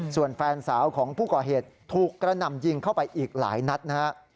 ส่วนแฟนสาวของผู้ก่อเหตุถูกกระหน่ำยิงเข้าไปอีกหลายนัดนะฮะ